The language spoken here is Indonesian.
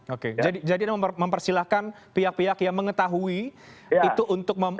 oke jadi mempersilahkan pihak pihak yang mengetahui itu untuk